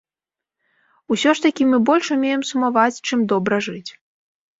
Усё ж такі мы больш умеем сумаваць, чым добра жыць.